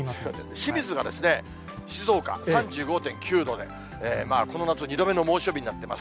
清水が静岡、３５．９度で、この夏２度目の猛暑日になってます。